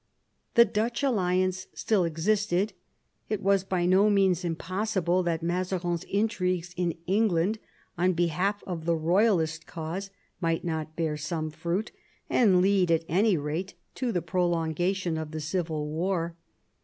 The Dutch Alliance still existed ; it was by no means impossible that Mazarin's intrigues in England on behalf of the Eoyalist cause might not bear some fruit, and lead, at any rate, to the prolongation of the Civil War.